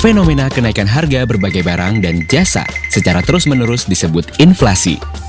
fenomena kenaikan harga berbagai barang dan jasa secara terus menerus disebut inflasi